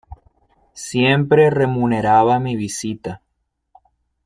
Siempre remuneraba mi visita.